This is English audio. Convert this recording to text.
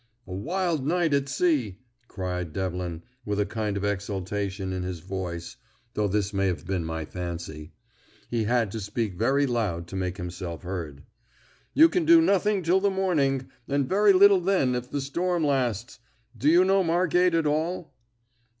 "A wild night at sea," cried Devlin, with a kind of exultation in his voice (though this may have been my fancy); he had to speak very loud to make himself heard. "You can do nothing till the morning, and very little then if the storm lasts. Do you know Margate at all?"